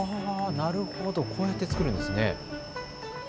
なるほど、こうやって作るんですね。